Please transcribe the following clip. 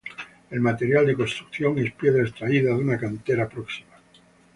El material de construcción es piedra extraída de una cantera próxima.